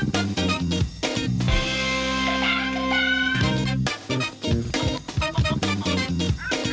โปรดติดตามตอนต่อไป